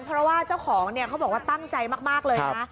เพราะว่าเจ้าของเนี่ยเขาบอกว่าตั้งใจมากเลยนะ